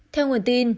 theo nguồn tin